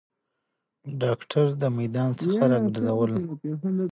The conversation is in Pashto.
داکتر د میدان څخه راګرځول